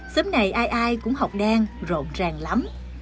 xếp này ai ai cũng học đan rộn ràng lắm